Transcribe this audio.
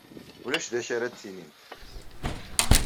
Ulac d acu ara d-tinimt.